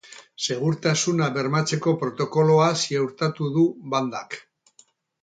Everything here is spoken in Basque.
Segurtasuna bermatzeko protokoloa ziurtatu du bandak.